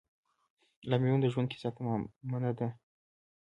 لامو د ژوند کیسه تمامه نه ده